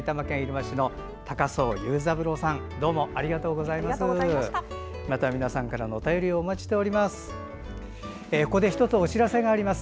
また皆さんからのお便りお待ちしています。